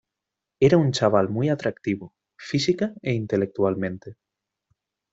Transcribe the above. Era un chaval muy atractivo, física e intelectualmente.